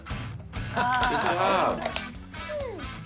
ああ！